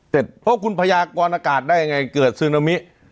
เพราะคุณพยากรอากาศได้ยังไงเกิดซึนามิ